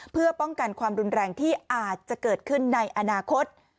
เพื่อป้องกันความรุนแรงที่อาจจะเกิดขึ้นในอนาคต